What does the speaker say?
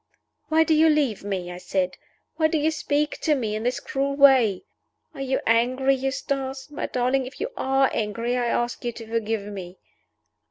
"Why do you leave me?" I said. "Why do you speak to me in this cruel way? Are you angry, Eustace? My darling, if you are angry, I ask you to forgive me."